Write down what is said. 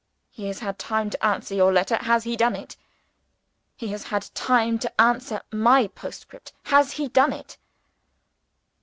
He has had time to answer your letter. Has he done it? He has had time to answer my postscript. Has he done it?"